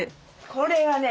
これはね